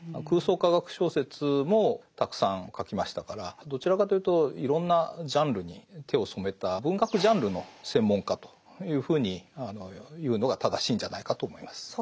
空想科学小説もたくさん書きましたからどちらかというといろんなジャンルに手を染めた文学ジャンルの専門家というふうに言うのが正しいんじゃないかと思います。